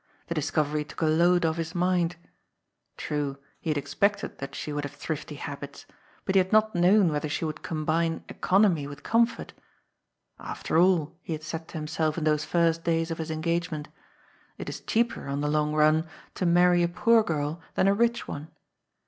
The discovery took a load oS. his mind. Trne, he had expected that she would have thrifty habits, but he had not known whether she would combine economy with comfort. " After all," he had said to himself in those first days of his engagement, '^ it is cheaper, on the long run, to marry a poor girl than a rich one."